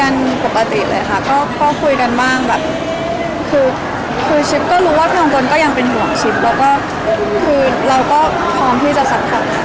กันปกติเลยค่ะก็คุยกันบ้างแบบคือคือชิปก็รู้ว่าพี่มงคลก็ยังเป็นห่วงชิปแล้วก็คือเราก็พร้อมที่จะสนับสนุน